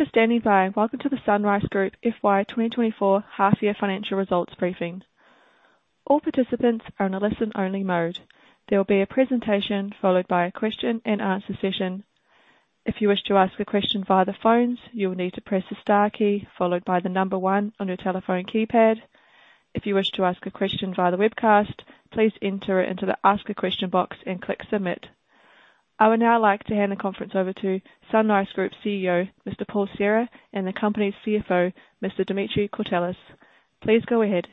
Thank you for standing by, and welcome to the SunRice Group FY 2024 half-year financial results briefing. All participants are in a listen-only mode. There will be a presentation followed by a question-and-answer session. If you wish to ask a question via the phones, you will need to press the star key, followed by the number one on your telephone keypad. If you wish to ask a question via the webcast, please enter it into the Ask a Question box and click Submit. I would now like to hand the conference over to SunRice Group's CEO, Mr. Paul Serra, and the company's CFO, Mr. Dimitri Courtelis. Please go ahead.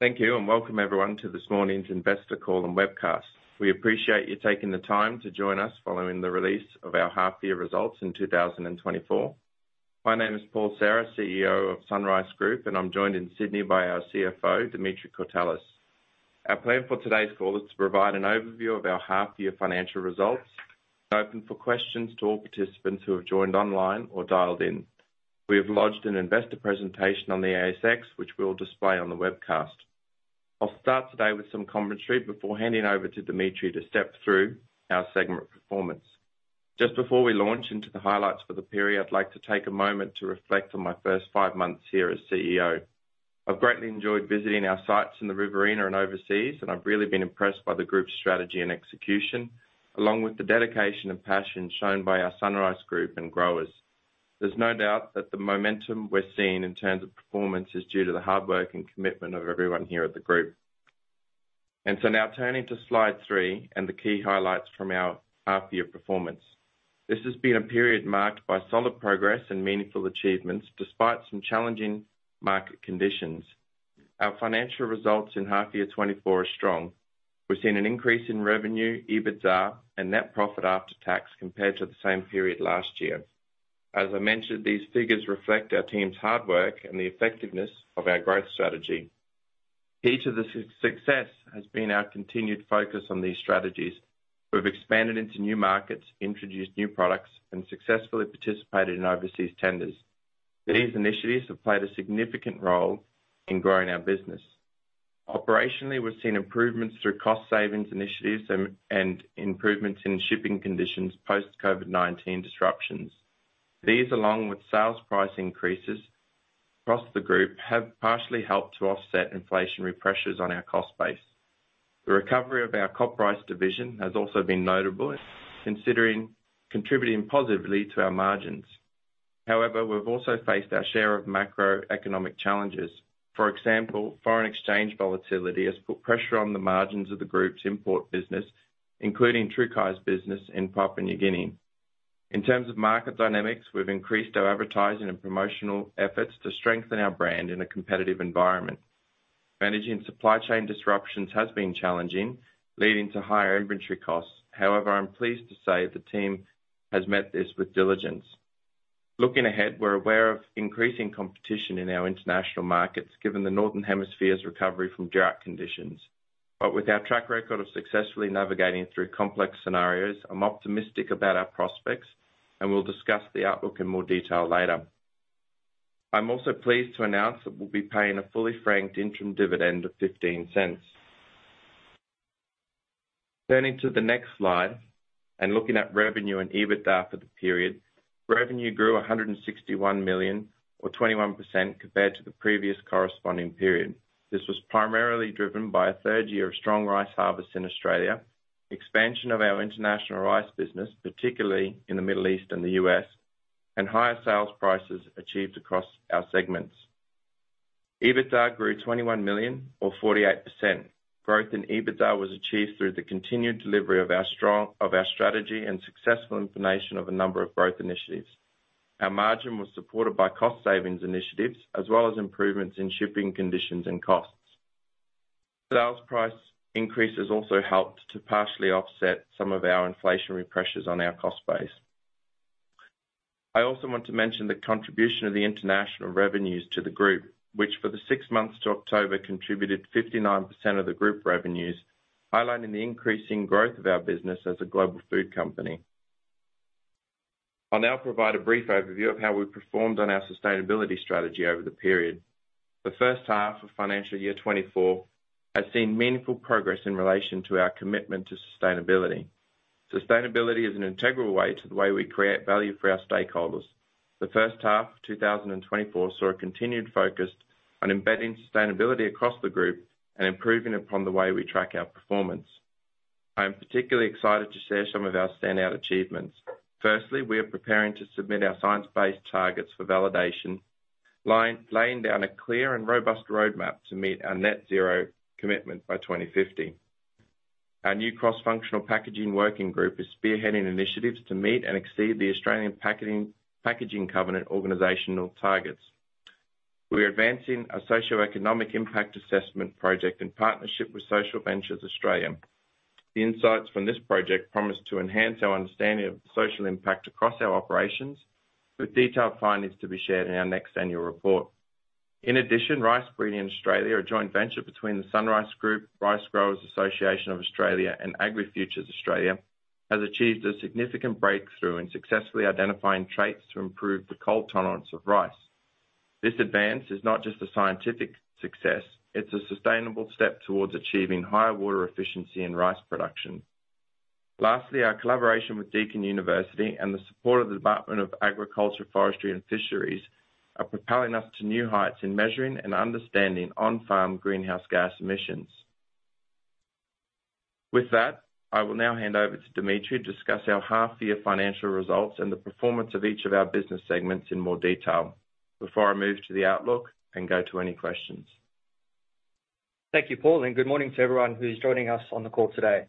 Thank you, and welcome, everyone, to this morning's investor call and webcast. We appreciate you taking the time to join us following the release of our half-year results in 2024. My name is Paul Serra, CEO of SunRice Group, and I'm joined in Sydney by our CFO, Dimitri Courtelis. Our plan for today's call is to provide an overview of our half-year financial results and open for questions to all participants who have joined online or dialed in. We have lodged an investor presentation on the ASX, which we'll display on the webcast. I'll start today with some commentary before handing over to Dimitri to step through our segment performance. Just before we launch into the highlights for the period, I'd like to take a moment to reflect on my first five months here as CEO. I've greatly enjoyed visiting our sites in the Riverina and overseas, and I've really been impressed by the group's strategy and execution, along with the dedication and passion shown by our SunRice Group and growers. There's no doubt that the momentum we're seeing in terms of performance is due to the hard work and commitment of everyone here at the group. So now turning to slide 3 and the key highlights from our half-year performance. This has been a period marked by solid progress and meaningful achievements, despite some challenging market conditions. Our financial results in half year 2024 are strong. We've seen an increase in revenue, EBITDA, and net profit after tax compared to the same period last year. As I mentioned, these figures reflect our team's hard work and the effectiveness of our growth strategy. Key to this success has been our continued focus on these strategies. We've expanded into new markets, introduced new products, and successfully participated in overseas tenders. These initiatives have played a significant role in growing our business. Operationally, we've seen improvements through cost savings initiatives and improvements in shipping conditions post-COVID-19 disruptions. These, along with sales price increases across the group, have partially helped to offset inflationary pressures on our cost base. The recovery of our CopRice division has also been notable, contributing positively to our margins. However, we've also faced our share of macroeconomic challenges. For example, foreign exchange volatility has put pressure on the margins of the group's import business, including Trukai's business in Papua New Guinea. In terms of market dynamics, we've increased our advertising and promotional efforts to strengthen our brand in a competitive environment. Managing supply chain disruptions has been challenging, leading to higher inventory costs. However, I'm pleased to say the team has met this with diligence. Looking ahead, we're aware of increasing competition in our international markets, given the Northern Hemisphere's recovery from drought conditions. But with our track record of successfully navigating through complex scenarios, I'm optimistic about our prospects, and we'll discuss the outlook in more detail later. I'm also pleased to announce that we'll be paying a fully franked interim dividend of 0.15. Turning to the next slide and looking at revenue and EBITDA for the period, revenue grew 161 million, or 21%, compared to the previous corresponding period. This was primarily driven by a third year of strong rice harvests in Australia, expansion of our International Rice business, particularly in the Middle East and the U.S., and higher sales prices achieved across our segments. EBITDA grew 21 million, or 48%. Growth in EBITDA was achieved through the continued delivery of our strong strategy and successful implementation of a number of growth initiatives. Our margin was supported by cost savings initiatives as well as improvements in shipping conditions and costs. Sales price increases also helped to partially offset some of our inflationary pressures on our cost base. I also want to mention the contribution of the international revenues to the group, which, for the six months to October, contributed 59% of the group revenues, highlighting the increasing growth of our business as a global food company. I'll now provide a brief overview of how we've performed on our sustainability strategy over the period. The first half of financial year 2024 has seen meaningful progress in relation to our commitment to sustainability. Sustainability is an integral way to the way we create value for our stakeholders. The first half of 2024 saw a continued focus on embedding sustainability across the group and improving upon the way we track our performance. I am particularly excited to share some of our standout achievements. Firstly, we are preparing to submit our Science-Based Targets for validation, laying down a clear and robust roadmap to meet our Net Zero commitment by 2050. Our new cross-functional packaging working group is spearheading initiatives to meet and exceed the Australian Packaging Covenant organizational targets. We are advancing a socioeconomic impact assessment project in partnership with Social Ventures Australia. The insights from this project promise to enhance our understanding of the social impact across our operations, with detailed findings to be shared in our next annual report. In addition, Rice Breeding Australia, a joint venture between the SunRice Group, Ricegrowers' Association of Australia, and AgriFutures Australia, has achieved a significant breakthrough in successfully identifying traits to improve the cold tolerance of rice. This advance is not just a scientific success, it's a sustainable step towards achieving higher water efficiency in rice production. Lastly, our collaboration with Deakin University and the support of the Department of Agriculture, Forestry and Fisheries, are propelling us to new heights in measuring and understanding on-farm greenhouse gas emissions. With that, I will now hand over to Dimitri to discuss our half-year financial results and the performance of each of our business segments in more detail, before I move to the outlook and go to any questions. Thank you, Paul, and good morning to everyone who's joining us on the call today.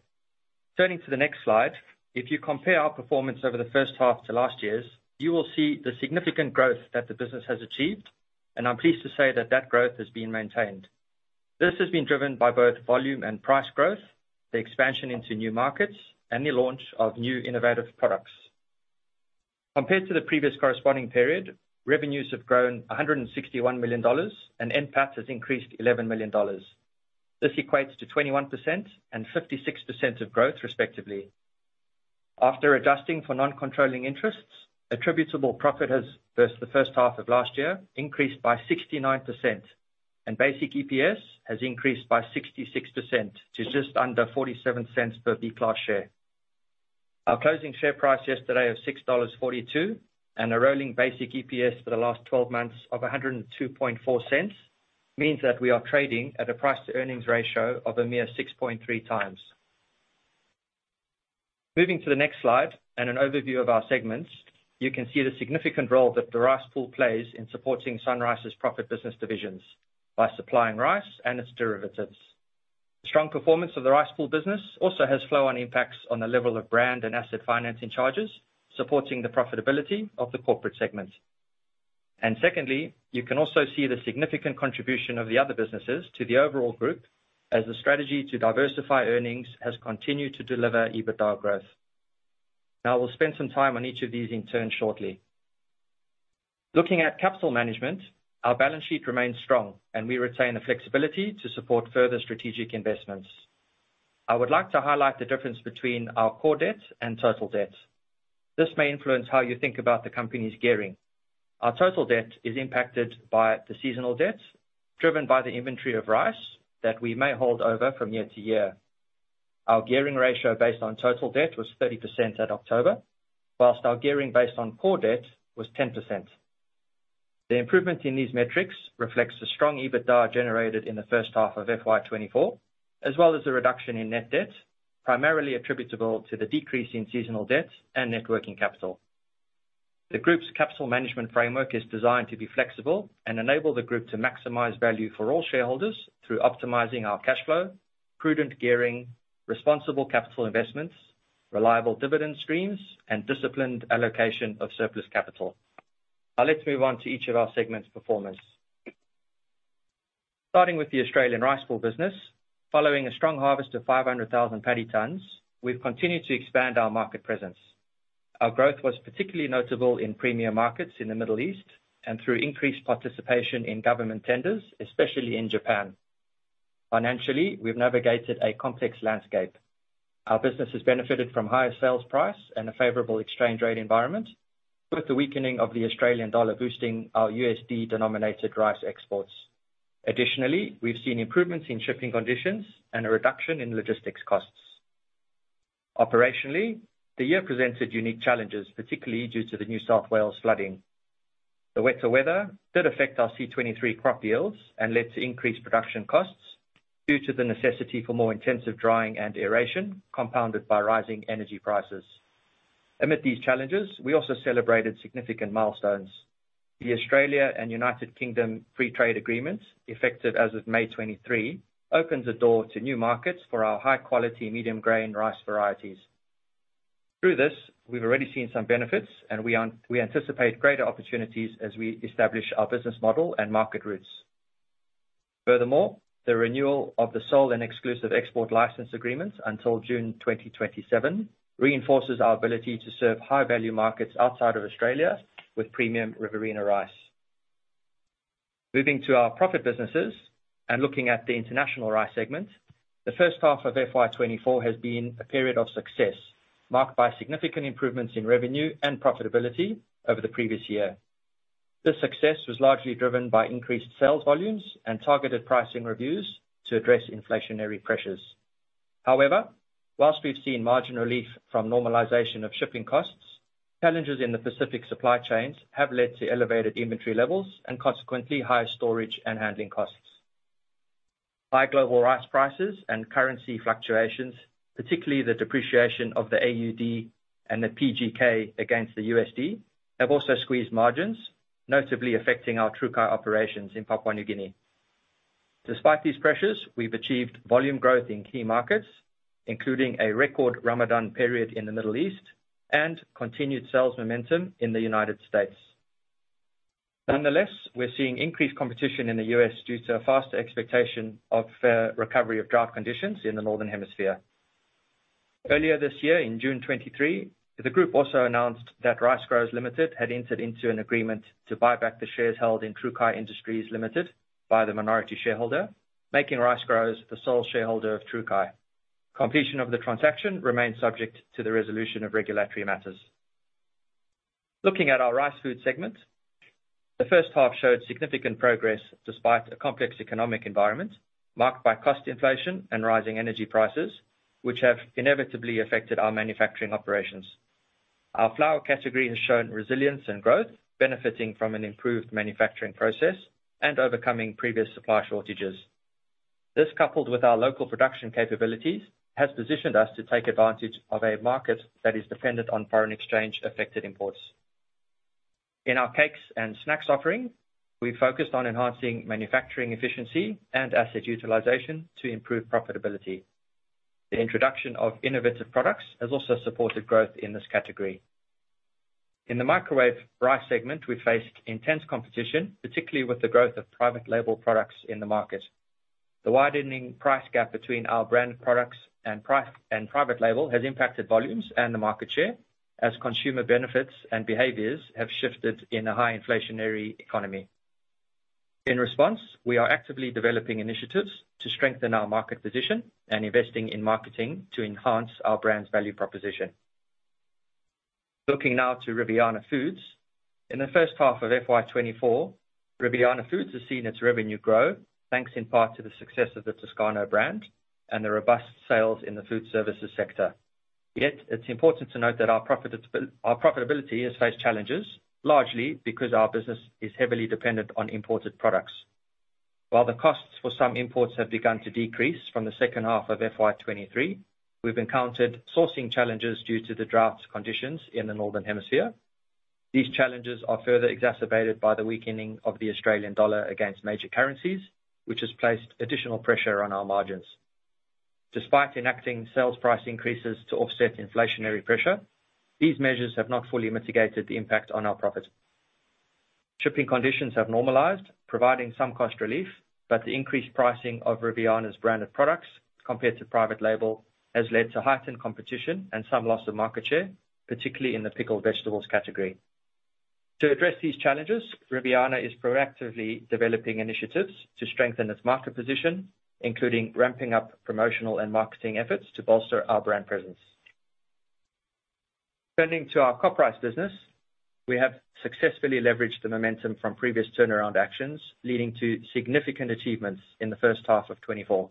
Turning to the next slide, if you compare our performance over the first half to last year's, you will see the significant growth that the business has achieved, and I'm pleased to say that that growth has been maintained. This has been driven by both volume and price growth, the expansion into new markets, and the launch of new innovative products. Compared to the previous corresponding period, revenues have grown AUD 161 million, and NPAT has increased 11 million dollars. This equates to 21% and 56% of growth, respectively. After adjusting for non-controlling interests, attributable profit has, versus the first half of last year, increased by 69%, and basic EPS has increased by 66% to just under 0.47 per diluted share. Our closing share price yesterday of AUD 6.42, and a rolling basic EPS for the last 12 months of 1.024, means that we are trading at a price-to-earnings ratio of a mere 6.3x. Moving to the next slide, and an overview of our segments, you can see the significant role that the Rice Pool plays in supporting SunRice's profit business divisions by supplying rice and its derivatives. Strong performance of the Rice Pool business also has flow-on impacts on the level of brand and asset financing charges, supporting the profitability of the Corporate segment. Secondly, you can also see the significant contribution of the other businesses to the overall group, as the strategy to diversify earnings has continued to deliver EBITDA growth. Now, we'll spend some time on each of these in turn shortly. Looking at capital management, our balance sheet remains strong, and we retain the flexibility to support further strategic investments. I would like to highlight the difference between our core debt and total debt. This may influence how you think about the company's gearing. Our total debt is impacted by the seasonal debt, driven by the inventory of rice that we may hold over from year to year. Our gearing ratio based on total debt was 30% at October, while our gearing based on core debt was 10%. The improvement in these metrics reflects the strong EBITDA generated in the first half of FY 2024, as well as the reduction in net debt, primarily attributable to the decrease in seasonal debt and net working capital. The group's capital management framework is designed to be flexible and enable the group to maximize value for all shareholders through optimizing our cash flow, prudent gearing, responsible capital investments, reliable dividend streams, and disciplined allocation of surplus capital. Now let's move on to each of our segments' performance. Starting with the Australian Rice Pool business, following a strong harvest of 500,000 paddy tonnes, we've continued to expand our market presence. Our growth was particularly notable in premier markets in the Middle East, and through increased participation in government tenders, especially in Japan. Financially, we've navigated a complex landscape. Our business has benefited from higher sales price and a favorable exchange rate environment, with the weakening of the Australian dollar boosting our USD-denominated rice exports. Additionally, we've seen improvements in shipping conditions and a reduction in logistics costs. Operationally, the year presented unique challenges, particularly due to the New South Wales flooding. The wetter weather did affect our C-23 crop yields and led to increased production costs due to the necessity for more intensive drying and aeration, compounded by rising energy prices. Amid these challenges, we also celebrated significant milestones. The Australia and United Kingdom Free Trade Agreements, effective as of May 2023, opens the door to new markets for our high-quality medium-grain rice varieties. Through this, we've already seen some benefits, and we are - we anticipate greater opportunities as we establish our business model and market routes. Furthermore, the renewal of the sole and exclusive export license agreements until June 2027 reinforces our ability to serve high-value markets outside of Australia with premium Riverina rice. Moving to our profit businesses and looking at the International Rice segment, the first half of FY 2024 has been a period of success, marked by significant improvements in revenue and profitability over the previous year. This success was largely driven by increased sales volumes and targeted pricing reviews to address inflationary pressures. However, whilst we've seen margin relief from normalization of shipping costs, challenges in the Pacific supply chains have led to elevated inventory levels and consequently higher storage and handling costs. High global rice prices and currency fluctuations, particularly the depreciation of the AUD and the PGK against the USD, have also squeezed margins, notably affecting our Trukai operations in Papua New Guinea. Despite these pressures, we've achieved volume growth in key markets, including a record Ramadan period in the Middle East and continued sales momentum in the United States. Nonetheless, we're seeing increased competition in the U.S. due to a faster expectation of recovery of drought conditions in the Northern Hemisphere. Earlier this year, in June 2023, the group also announced that Ricegrowers Limited had entered into an agreement to buy back the shares held in Trukai Industries Limited by the minority shareholder, making Ricegrowers the sole shareholder of Trukai. Completion of the transaction remains subject to the resolution of regulatory matters. Looking at our Rice Food segment, the first half showed significant progress despite a complex economic environment, marked by cost inflation and rising energy prices, which have inevitably affected our manufacturing operations. Our flour category has shown resilience and growth, benefiting from an improved manufacturing process and overcoming previous supply shortages. This, coupled with our local production capabilities, has positioned us to take advantage of a market that is dependent on foreign exchange-affected imports. In our cakes and snacks offering, we focused on enhancing manufacturing efficiency and asset utilization to improve profitability. The introduction of innovative products has also supported growth in this category. In the microwave rice segment, we faced intense competition, particularly with the growth of private label products in the market. The widening price gap between our brand products and private label has impacted volumes and the market share, as consumer benefits and behaviors have shifted in a high inflationary economy. In response, we are actively developing initiatives to strengthen our market position and investing in marketing to enhance our brand's value proposition. Looking now to Riviana Foods. In the first half of FY 2024, Riviana Foods has seen its revenue grow, thanks in part to the success of the Toscano brand and the robust sales in the food services sector. Yet, it's important to note that our profitability has faced challenges, largely because our business is heavily dependent on imported products. While the costs for some imports have begun to decrease from the second half of FY 2023, we've encountered sourcing challenges due to the drought conditions in the Northern Hemisphere. These challenges are further exacerbated by the weakening of the Australian dollar against major currencies, which has placed additional pressure on our margins. Despite enacting sales price increases to offset inflationary pressure, these measures have not fully mitigated the impact on our profits. Shipping conditions have normalized, providing some cost relief, but the increased pricing of Riviana's branded products compared to private label has led to heightened competition and some loss of market share, particularly in the pickled vegetables category. To address these challenges, Riviana is proactively developing initiatives to strengthen its market position, including ramping up promotional and marketing efforts to bolster our brand presence. Turning to our CopRice business, we have successfully leveraged the momentum from previous turnaround actions, leading to significant achievements in the first half of 2024.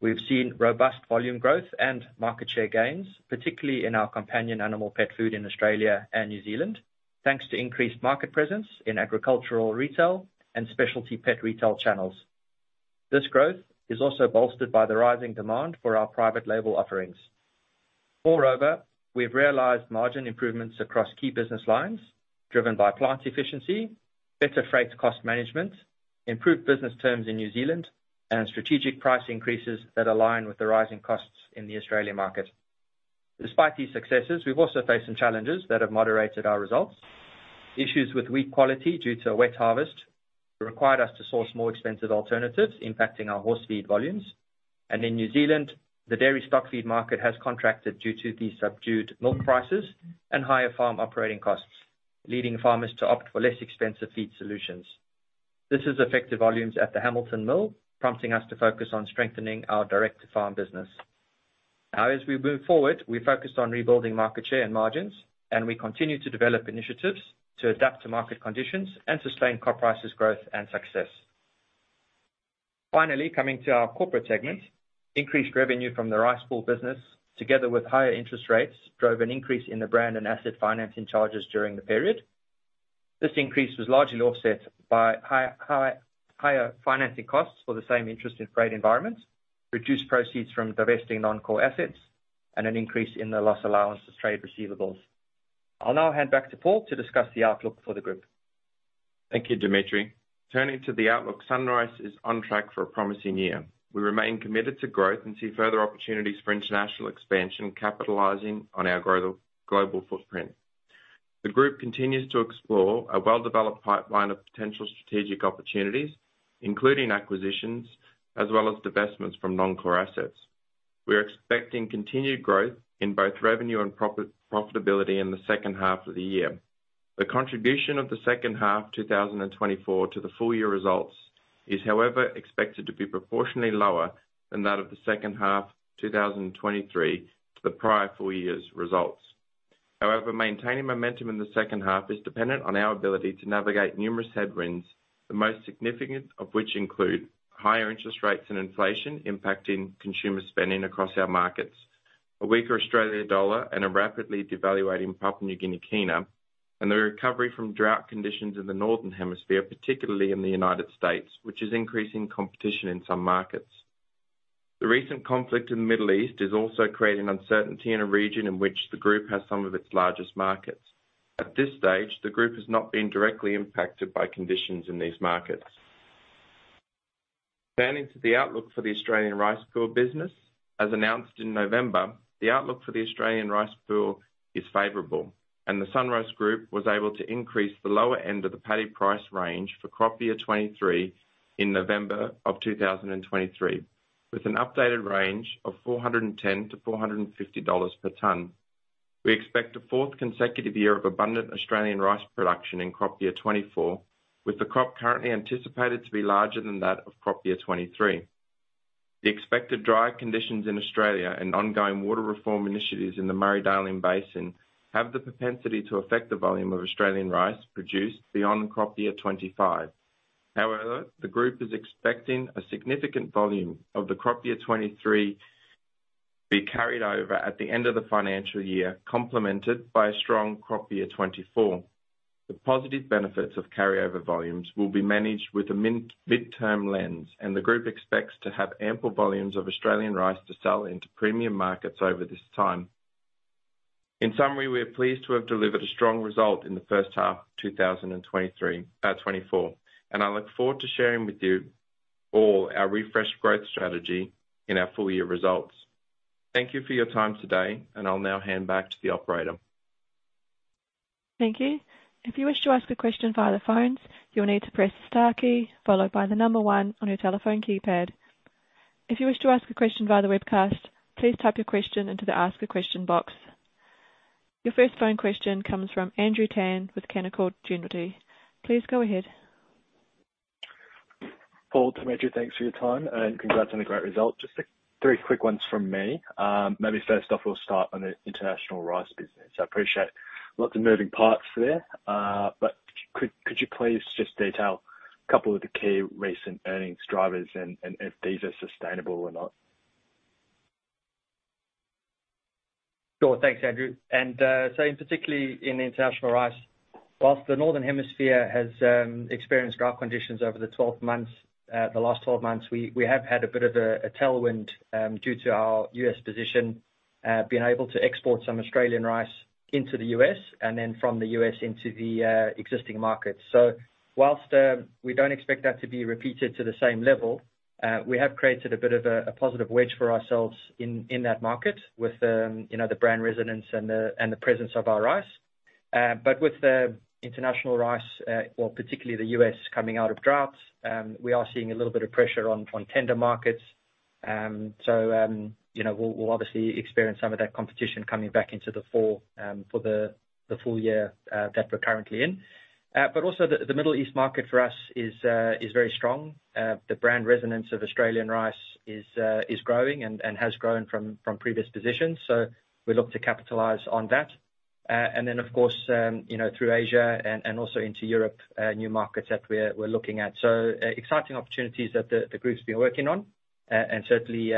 We've seen robust volume growth and market share gains, particularly in our companion animal pet food in Australia and New Zealand, thanks to increased market presence in agricultural retail and specialty pet retail channels. This growth is also bolstered by the rising demand for our private label offerings. Moreover, we've realized margin improvements across key business lines, driven by plant efficiency, better freight cost management, improved business terms in New Zealand, and strategic price increases that align with the rising costs in the Australian market. Despite these successes, we've also faced some challenges that have moderated our results. Issues with wheat quality due to a wet harvest required us to source more expensive alternatives, impacting our horse feed volumes. In New Zealand, the dairy stock feed market has contracted due to the subdued milk prices and higher farm operating costs, leading farmers to opt for less expensive feed solutions. This has affected volumes at the Hamilton Mill, prompting us to focus on strengthening our direct-to-farm business. Now, as we move forward, we're focused on rebuilding market share and margins, and we continue to develop initiatives to adapt to market conditions and sustain CopRice's growth and success. Finally, coming to our Corporate segment. Increased revenue from the Rice Pool business, together with higher interest rates, drove an increase in the brand and asset financing charges during the period. This increase was largely offset by higher financing costs for the same interest and freight environment, reduced proceeds from divesting non-core assets, and an increase in the loss allowance to trade receivables. I'll now hand back to Paul to discuss the outlook for the group. Thank you, Dimitri. Turning to the outlook, SunRice is on track for a promising year. We remain committed to growth and see further opportunities for international expansion, capitalizing on our growing global footprint. The group continues to explore a well-developed pipeline of potential strategic opportunities, including acquisitions as well as divestments from non-core assets. We are expecting continued growth in both revenue and profitability in the second half of the year. The contribution of the second half 2024 to the full year results is, however, expected to be proportionally lower than that of the second half 2023 to the prior full year's results. However, maintaining momentum in the second half is dependent on our ability to navigate numerous headwinds, the most significant of which include higher interest rates and inflation impacting consumer spending across our markets, a weaker Australian dollar, and a rapidly devaluing Papua New Guinea Kina, and the recovery from drought conditions in the Northern Hemisphere, particularly in the United States, which is increasing competition in some markets. The recent conflict in the Middle East is also creating uncertainty in a region in which the group has some of its largest markets. At this stage, the group has not been directly impacted by conditions in these markets. Turning to the outlook for the Australian Rice Pool business, as announced in November, the outlook for the Australian Rice Pool is favorable, and the SunRice Group was able to increase the lower end of the paddy price range for crop year 2023 in November of 2023, with an updated range of 410-450 dollars per tonne. We expect a fourth consecutive year of abundant Australian rice production in crop year 2024, with the crop currently anticipated to be larger than that of crop year 2023. The expected dry conditions in Australia and ongoing water reform initiatives in the Murray-Darling Basin have the propensity to affect the volume of Australian rice produced beyond crop year 2025. However, the group is expecting a significant volume of the crop year 2023 be carried over at the end of the financial year, complemented by a strong crop year 2024. The positive benefits of carryover volumes will be managed with a mid- to midterm lens, and the group expects to have ample volumes of Australian rice to sell into premium markets over this time. In summary, we are pleased to have delivered a strong result in the first half, 2023, 2024, and I look forward to sharing with you all our refreshed growth strategy in our full year results. Thank you for your time today, and I'll now hand back to the operator. Thank you. If you wish to ask a question via the phones, you'll need to press the star key followed by the number one on your telephone keypad. If you wish to ask a question via the webcast, please type your question into the Ask a Question box. Your first phone question comes from Andrew Tan with Canaccord Genuity. Please go ahead. Paul, Dimitri, thanks for your time and congrats on the great result. Just three quick ones from me. Maybe first off, we'll start on the International Rice business. I appreciate lots of moving parts there, but could you please just detail a couple of the key recent earnings drivers and if these are sustainable or not? Sure. Thanks, Andrew. And, so particularly in International Rice, while the Northern Hemisphere has experienced drought conditions over the 12 months, the last 12 months, we have had a bit of a tailwind due to our U.S. position being able to export some Australian rice into the U.S. and then from the U.S. into the existing market. So while we don't expect that to be repeated to the same level, we have created a bit of a positive wedge for ourselves in that market with you know, the brand resonance and the presence of our rice. But with the International Rice, well, particularly the U.S. coming out of droughts, we are seeing a little bit of pressure on tender markets. So, you know, we'll obviously experience some of that competition coming back into the fall, for the full year that we're currently in. But also the Middle East market for us is very strong. The brand resonance of Australian rice is growing and has grown from previous positions. So we look to capitalize on that. And then of course, you know, through Asia and also into Europe, new markets that we're looking at. So, exciting opportunities that the group's been working on, and certainly,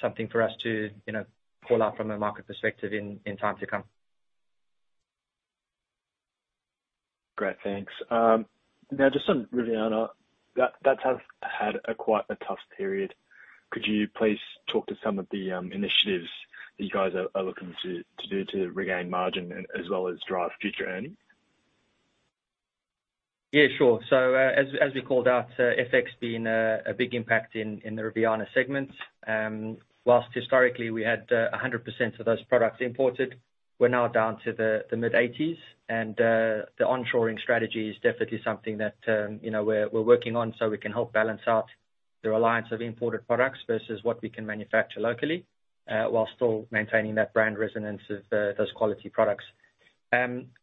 something for us to, you know, call out from a market perspective in time to come. Great, thanks. Now just on Riviana, that's had quite a tough period. Could you please talk to some of the initiatives that you guys are looking to do to regain margin as well as drive future earnings? Yeah, sure. So, as we called out, FX being a big impact in the Riviana segment, while historically we had 100% of those products imported, we're now down to the mid-80s. And the onshoring strategy is definitely something that, you know, we're working on so we can help balance out the reliance of imported products versus what we can manufacture locally, while still maintaining that brand resonance of those quality products.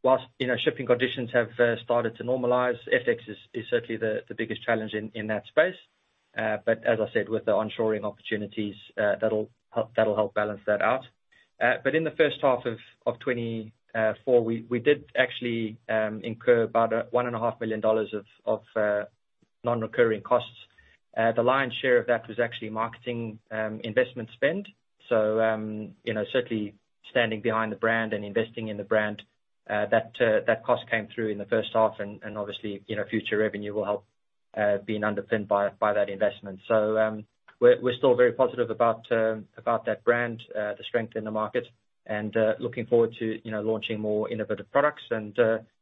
While, you know, shipping conditions have started to normalize, FX is certainly the biggest challenge in that space. But as I said, with the onshoring opportunities, that'll help balance that out. But in the first half of 2024, we did actually incur about 1.5 million dollars of non-recurring costs. The lion's share of that was actually marketing investment spend. So, you know, certainly standing behind the brand and investing in the brand, that cost came through in the first half. And obviously, you know, future revenue will help being underpinned by that investment. So, we're still very positive about that brand, the strength in the market, and looking forward to, you know, launching more innovative products. And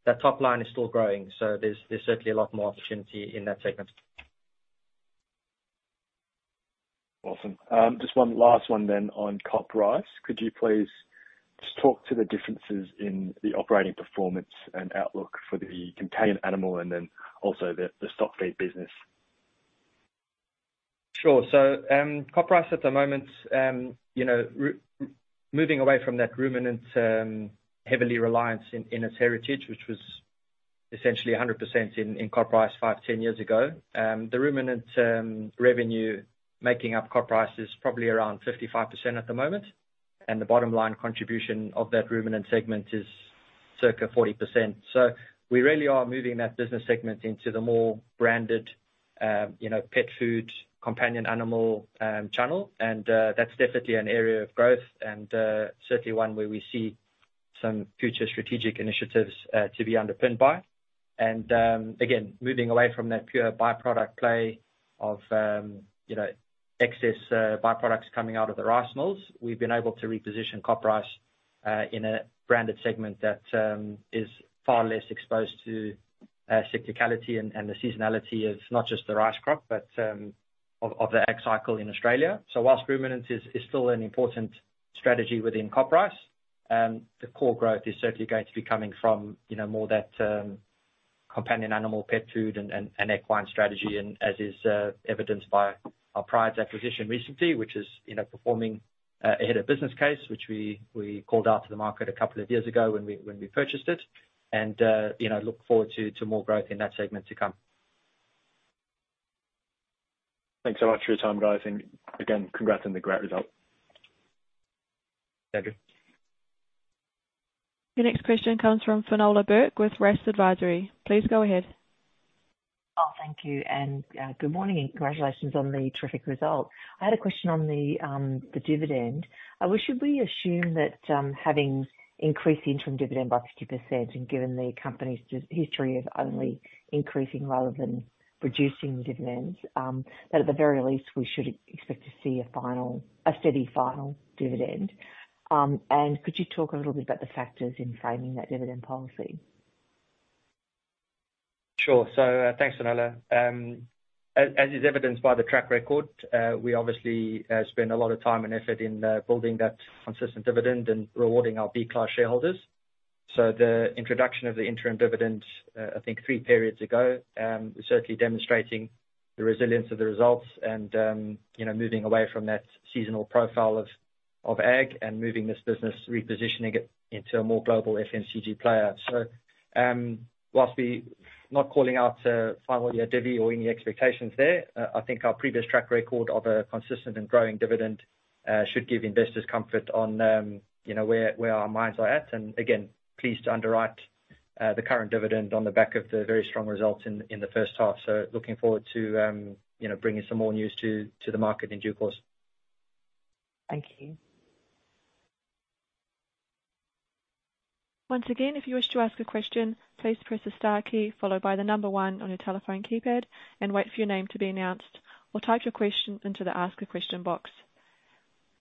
that top line is still growing, so there's certainly a lot more opportunity in that segment. Awesome. Just one last one then on CopRice. Could you please just talk to the differences in the operating performance and outlook for the companion animal and then also the stock feed business? Sure. So, CopRice at the moment, you know, moving away from that ruminant, heavy reliance in its heritage, which was essentially 100% in CopRice 5-10 years ago. The ruminant revenue making up CopRice is probably around 55% at the moment, and the bottom line contribution of that ruminant segment is circa 40%. So we really are moving that business segment into the more branded, you know, pet food, companion animal channel. And, that's definitely an area of growth and, certainly one where we see some future strategic initiatives to be underpinned by. Again, moving away from that pure by-product play of, you know, excess by-products coming out of the rice mills, we've been able to reposition CopRice in a branded segment that is far less exposed to cyclicality and the seasonality of not just the rice crop, but of the ag cycle in Australia. Whilst ruminants is still an important strategy within CopRice, the core growth is certainly going to be coming from, you know, more that companion animal, pet food, and equine strategy, and as is evidenced by our Pryde's acquisition recently, which is, you know, performing ahead of business case, which we called out to the market a couple of years ago when we purchased it. You know, look forward to more growth in that segment to come. Thanks so much for your time, guys, and again, congrats on the great result. Thank you. Your next question comes from Finola Burke with RaaS Advisory. Please go ahead. Oh, thank you, and good morning, and congratulations on the terrific result. I had a question on the dividend. Should we assume that, having increased the interim dividend by 50%, and given the company's history of only increasing rather than reducing dividends, that at the very least, we should expect to see a final... a steady, final dividend? And could you talk a little bit about the factors in framing that dividend policy? Sure. So, thanks, Finola. As is evidenced by the track record, we obviously spend a lot of time and effort in building that consistent dividend and rewarding our B-class shareholders. So the introduction of the interim dividend, I think three periods ago, is certainly demonstrating the resilience of the results and, you know, moving away from that seasonal profile of ag, and moving this business, repositioning it into a more global FMCG player. So, while we're not calling out a final year divvy or any expectations there, I think our previous track record of a consistent and growing dividend should give investors comfort on, you know, where our minds are at, and again, pleased to underwrite the current dividend on the back of the very strong results in the first half. Looking forward to, you know, bringing some more news to the market in due course. Thank you. Once again, if you wish to ask a question, please press the star key followed by the number one on your telephone keypad, and wait for your name to be announced, or type your question into the ask a question box.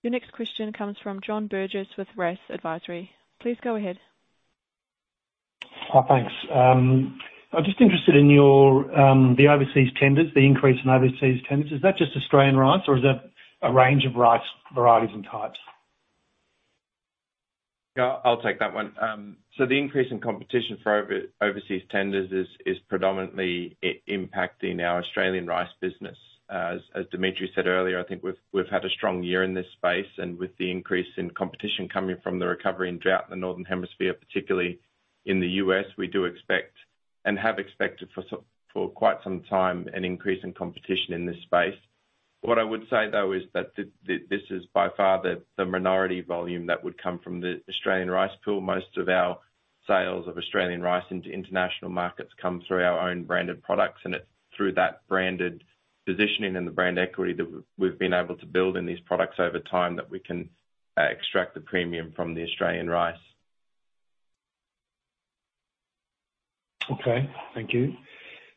Your next question comes from John Burgess with RaaS Advisory. Please go ahead. Thanks. I'm just interested in your, the overseas tenders, the increase in overseas tenders. Is that just Australian rice, or is that a range of rice, varieties, and types? Yeah, I'll take that one. So the increase in competition for overseas tenders is predominantly impacting our Australian rice business. As Dimitri said earlier, I think we've had a strong year in this space, and with the increase in competition coming from the recovery and drought in the Northern Hemisphere, particularly in the U.S., we do expect, and have expected for quite some time, an increase in competition in this space. What I would say, though, is that this is by far the minority volume that would come from the Australian Rice Pool. Most of our sales of Australian rice into international markets come through our own branded products, and it's through that branded positioning and the brand equity that we've been able to build in these products over time, that we can extract the premium from the Australian rice. Okay, thank you.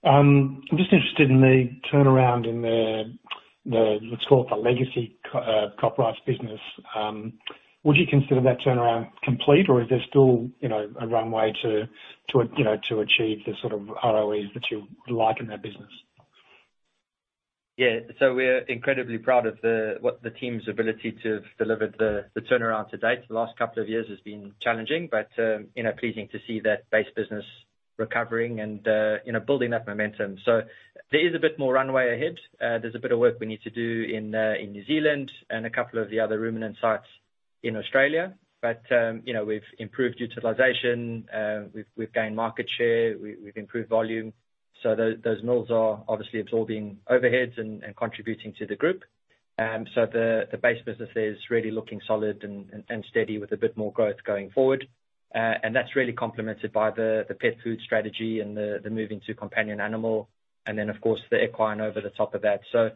I'm just interested in the turnaround in the, let's call it the legacy CopRice business. Would you consider that turnaround complete, or is there still, you know, a runway to, to, you know, to achieve the sort of ROEs that you would like in that business? Yeah. So we're incredibly proud of what the team's ability to deliver the turnaround to date. The last couple of years has been challenging, but, you know, pleasing to see that base business recovering and, you know, building that momentum. So there is a bit more runway ahead. There's a bit of work we need to do in New Zealand, and a couple of the other ruminant sites in Australia. But, you know, we've improved utilization, we've gained market share, we've improved volume. So those mills are obviously absorbing overheads and contributing to the group. So the base business is really looking solid and steady, with a bit more growth going forward. And that's really complemented by the pet food strategy and the moving to companion animal, and then, of course, the equine over the top of that. So,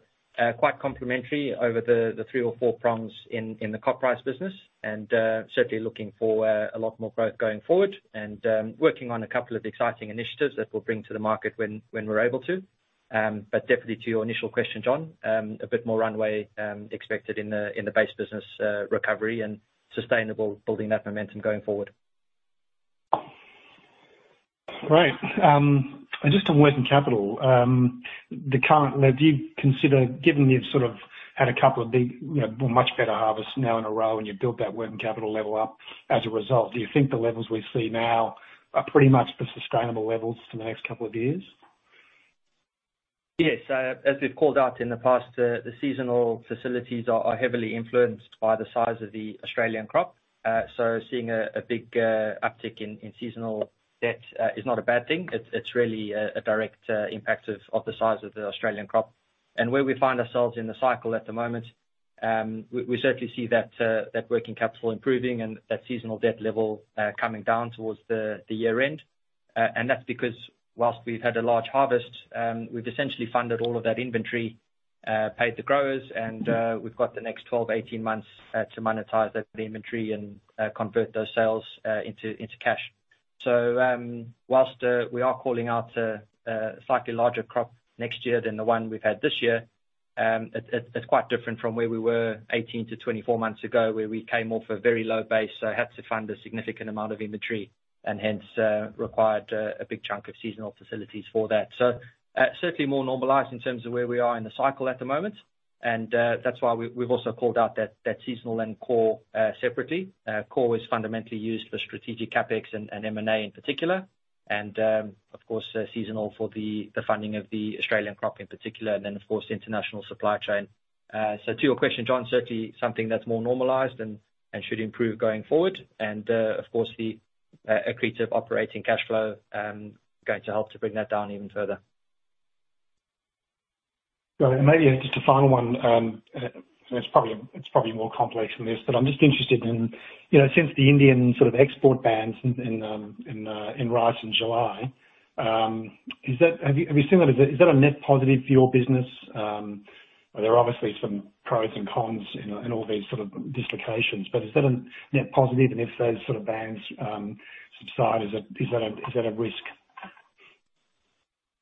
quite complementary over the three or four prongs in the CopRice business, and certainly looking for a lot more growth going forward and working on a couple of exciting initiatives that we'll bring to the market when we're able to. But definitely to your initial question, John, a bit more runway expected in the base business recovery and sustainable building that momentum going forward. Great. Just on working capital, the current... Do you consider, given you've sort of had a couple of big, you know, much better harvests now in a row, and you've built that working capital level up as a result, do you think the levels we see now are pretty much the sustainable levels for the next couple of years? Yes. As we've called out in the past, the seasonal facilities are heavily influenced by the size of the Australian crop. So seeing a big uptick in seasonal debt is not a bad thing. It's really a direct impact of the size of the Australian crop. And where we find ourselves in the cycle at the moment, we certainly see that working capital improving and that seasonal debt level coming down towards the year end. And that's because while we've had a large harvest, we've essentially funded all of that inventory, paid the growers, and we've got the next 12-18 months to monetize that inventory and convert those sales into cash. So, while we are calling out a slightly larger crop next year than the one we've had this year, it's quite different from where we were 18-24 months ago, where we came off a very low base, so had to fund a significant amount of inventory, and hence required a big chunk of seasonal facilities for that. So, certainly more normalized in terms of where we are in the cycle at the moment. That's why we've also called out that seasonal and core separately. Core is fundamentally used for strategic CapEx and M&A in particular, and, of course, seasonal for the funding of the Australian crop in particular, and then, of course, the international supply chain. So to your question, John, certainly something that's more normalized and should improve going forward. And, of course, the accretive operating cashflow going to help to bring that down even further. So maybe just a final one, and it's probably more complex than this, but I'm just interested in, you know, since the Indian sort of export bans in rice in July, is that... Have you seen that as is that a net positive for your business? There are obviously some pros and cons in all these sort of dislocations, but is that a net positive, and if those sort of bans subside, is that a risk?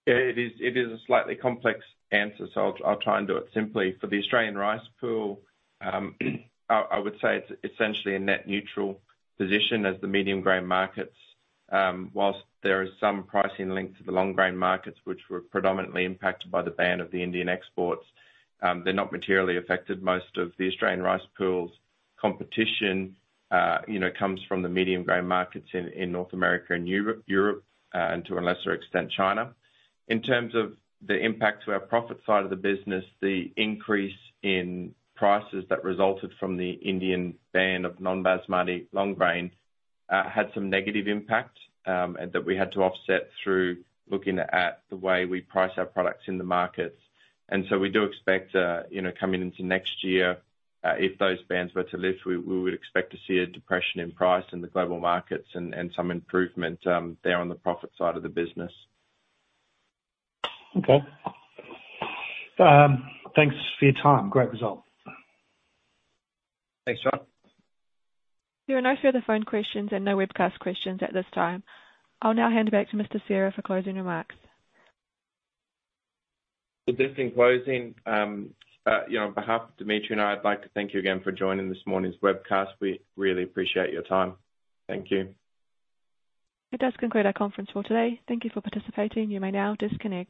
It is a slightly complex answer, so I'll try and do it simply. For the Australian Rice Pool, I would say it's essentially a net neutral position as the medium grain markets, while there is some pricing linked to the long grain markets, which were predominantly impacted by the ban of the Indian exports, they're not materially affected. Most of the Australian Rice Pool's competition, you know, comes from the medium grain markets in North America and Europe, and to a lesser extent, China. In terms of the impact to our profit side of the business, the increase in prices that resulted from the Indian ban of non-basmati long grain had some negative impact, and that we had to offset through looking at the way we price our products in the markets. And so we do expect, you know, coming into next year, if those bans were to lift, we would expect to see a depression in price in the global markets and some improvement there on the profit side of the business. Okay. Thanks for your time. Great result. Thanks, John. There are no further phone questions and no webcast questions at this time. I'll now hand it back to Mr. Serra for closing remarks. Just in closing, you know, on behalf of Dimitri and I, I'd like to thank you again for joining this morning's webcast. We really appreciate your time. Thank you. That does conclude our conference call today. Thank you for participating. You may now disconnect.